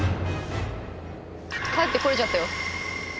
帰ってこれちゃったよ。